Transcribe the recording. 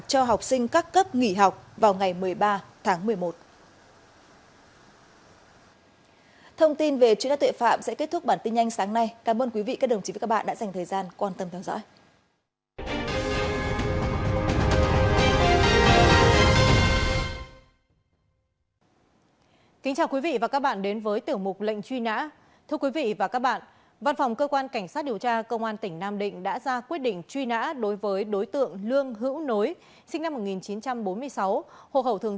cho học sinh các cấp nghỉ học vào ngày một mươi ba tháng một mươi một